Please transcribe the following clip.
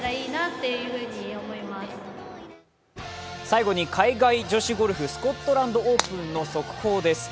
最後に海外女子ゴルフ、スコットランドオープンの速報です。